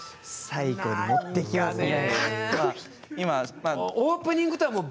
最後に持っていきますね。